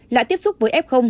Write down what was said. lại tiếp xúc với f